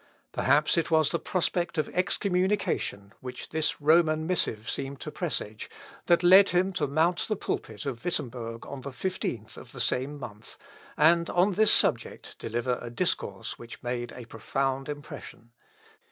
Perhaps it was the prospect of excommunication which this Roman missive seemed to presage, that led him to mount the pulpit of Wittemberg on the 15th of the same month, and on this subject deliver a discourse which made a profound impression.